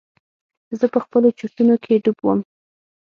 زه په خپلو چورتونو کښې ډوب وم.